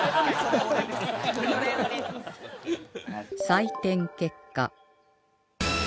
採点結果